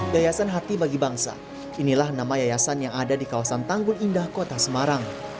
yayasan hati bagi bangsa inilah nama yayasan yang ada di kawasan tanggul indah kota semarang